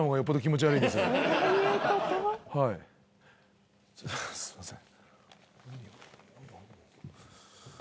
ちょすいません。